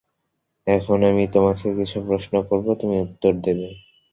এখন আমি তোমাকে কিছু প্রশ্ন করব, তুমি উত্তর দেবে।